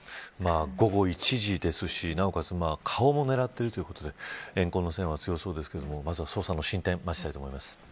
午後１時ですし顔も狙っているということですし怨恨の線は強そうですが捜査の進展を待ちたいと思います。